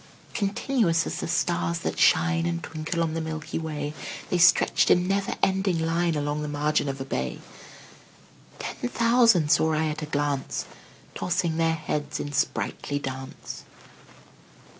Continuous as the stars that shine And twinkle on the milky way, The stretched in never ending line Along the margin of a bay: Ten thousand saw I at a glance, Tossing their heads in sprightly dance.